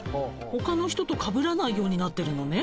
他の人とかぶらないようになってるのね。